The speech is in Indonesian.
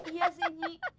iya sih nyi